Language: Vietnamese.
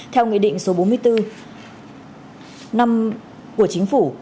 theo nghị định số bốn mươi bốn năm của chính phủ